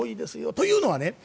というのはね